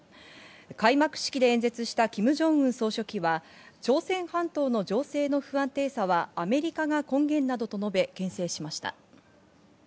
開幕式で演説したキム・ジョンウン総書記は朝鮮半島の情勢の不安定さはアメリカが根元などと述べ、けん制しました。